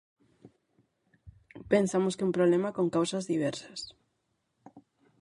Pensamos que é un problema con causas diversas.